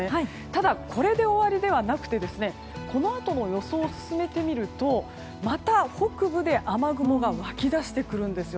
ただ、これで終わりではなくてこのあとの予想を進めてみるとまた北部で雨雲が湧きだしてくるんです。